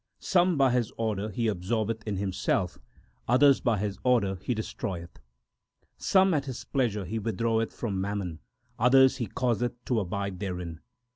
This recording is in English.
Some by His order He absorbeth in Himself ; others by His order He destroyeth. 2 Some at His pleasure He withdraweth from mammon ; others He causeth to abide therein.